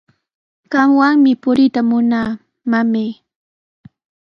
Qamwanmi puriyta munaa, mamay.